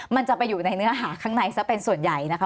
มันจะไปอยู่ในเนื้อหาข้างในซะเป็นส่วนใหญ่นะคะ